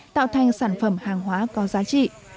tạo thành sản phẩm hàng hóa có giá trị